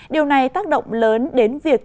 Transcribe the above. điều này tác động lớn đến việc